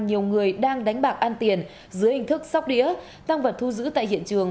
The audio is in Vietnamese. nhiều người đang đánh bạc an tiền dưới hình thức sóc đĩa tăng vật thu giữ tại hiện trường